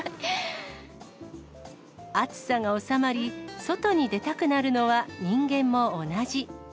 暑さが収まり、外に出たくなるのは人間も同じ。